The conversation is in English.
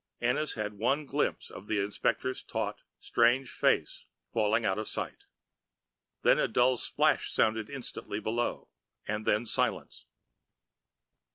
Ennis had one glimpse of the inspector's taut, strange face falling out of sight. Then a dull splash sounded instantly below, and then silence.